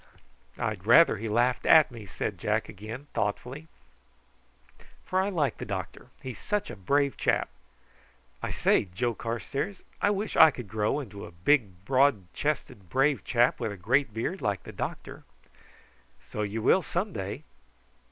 "I'd rather he laughed at me," said Jack again thoughtfully; "for I like the doctor; he's such a brave chap. I say, Joe Carstairs, I wish I could grow into a big broad chested brave chap with a great beard, like the doctor." "So you will some day."